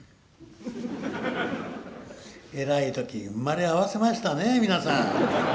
えらい時に生まれ合わせましたね皆さん。